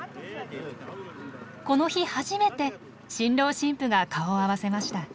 この日初めて新郎新婦が顔を合わせました。